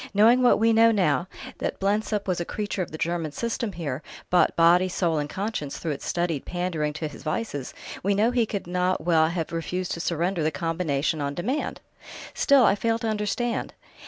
Knowing what we know now, that Blensop was a creature of the German system here, bought body, soul, and conscience through its studied pandering to his vices, we know he could not well have refused to surrender the combination on demand." "Still I fail to understand...."